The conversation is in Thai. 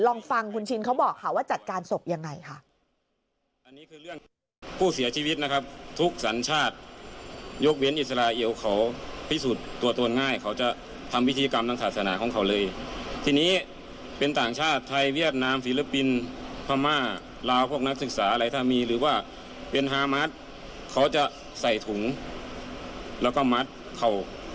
ลองฟังคุณชินเขาบอกค่ะว่าจัดการศพยังไงค่ะ